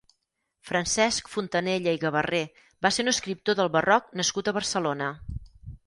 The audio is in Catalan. Francesc Fontanella i Garraver va ser un escriptor del Barroc nascut a Barcelona.